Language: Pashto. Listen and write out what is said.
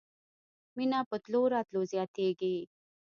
مینه په تلو راتلو زیاتیږي.